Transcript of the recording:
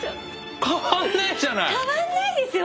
変わんないですよ